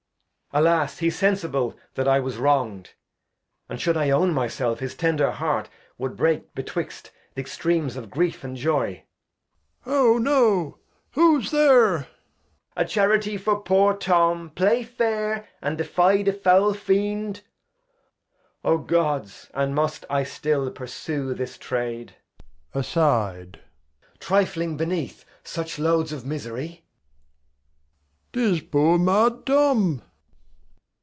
Edg. Alas, he's sensible that I was wrong'd, And shou'd I own myself, his tender Heart Would break betwixt the Extreams of Grief and Joy. Old M. How now, who's there ? Edg. A Charity for poor Tom. Play fair, and defy the foul Fiend. O Gods! And must I still pursue this Trade, [Aside. Trifling beneath such Loads of Misery ? Old M. 'Tis poor mad Tom.